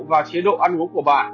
và chế độ ăn uống của bạn